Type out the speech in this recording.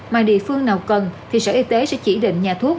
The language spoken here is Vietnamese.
mà địa phương nào cần thì sở y tế sẽ chỉ định nhà thuốc